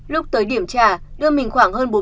lúc tới điểm trả đưa mình khoảng hơn bốn mươi